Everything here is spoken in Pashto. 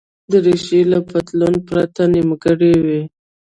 دریشي له پتلون پرته نیمګړې وي.